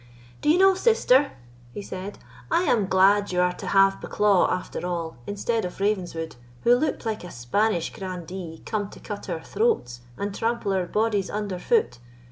"Do you know, sister," he said, "I am glad you are to have Bucklaw after all, instead of Ravenswood, who looked like a Spanish grandee come to cut our throats and trample our bodies under foot.